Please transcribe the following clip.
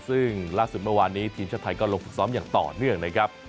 ซึ่งล่าสุดเมื่อวานนี้ทีมชาติไทยก็ลงฝึกซ้อมอย่างต่อเนื่องนะครับ